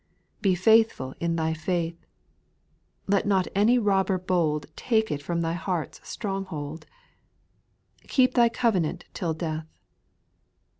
Be faithful in thy faith I Let not any robber bold Take it from thy heart's stronghold ; Keep thy covenant till death.